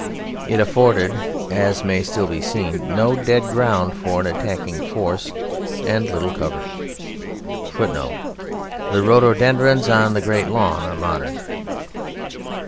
It afforded (as may still be seen) no dead ground for an attacking force and little cover. [Footnote: The Rhododendrons on the great lawn are modern.